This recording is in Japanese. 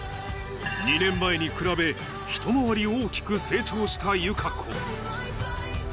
２年前に比べ一回り大きく成長した友香子。